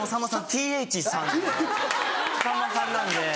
Ｔｈａんまさんなんで。